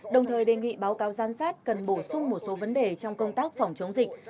đồng thời đề nghị báo cáo giám sát cần bổ sung một số vấn đề trong công tác phòng chống dịch